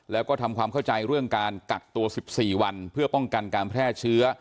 แล้วก็ทำความเข้าใจเรื่องการกักตัว๑๔วันเพื่อป้องกันการแพร่เชื้อ